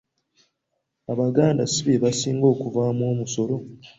“Abaganda si bebasinga okuvaamu omusolo?